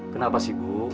kenapa sih bu